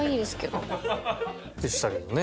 でしたけどもね。